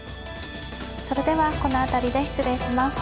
それではこの辺りで失礼します。